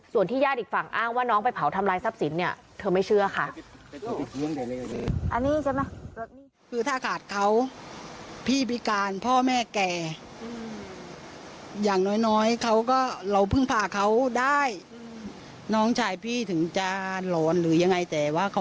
ส่วนที่ญาติอีกฝั่งอ้างว่าน้องไปเผาทำลายทรัพย์สินเนี่ยเธอไม่เชื่อค่ะ